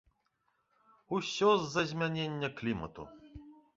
Усё з-за змянення клімату.